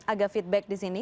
agak feedback di sini